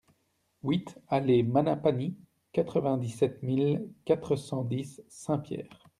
huit allée Manapany, quatre-vingt-dix-sept mille quatre cent dix Saint-Pierre